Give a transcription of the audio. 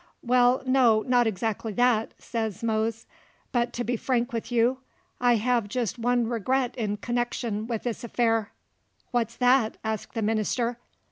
"Wall, no; not exactly that," sez Mose, "but to be frank with you, I hev jest one regret in connection with this affair." "What's that?" asked the minister.